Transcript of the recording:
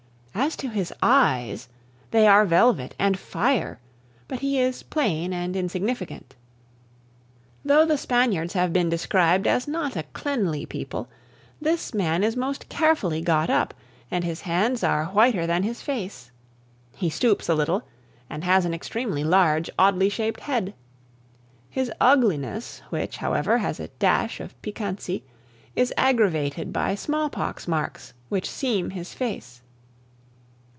As to his eyes, they are velvet and fire; but he is plain and insignificant. Though the Spaniards have been described as not a cleanly people, this man is most carefully got up, and his hands are whiter than his face. He stoops a little, and has an extremely large, oddly shaped head. His ugliness, which, however, has a dash of piquancy, is aggravated by smallpox marks, which seam his face.